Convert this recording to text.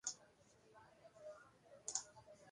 Un hombre golpea una muñeca inflable.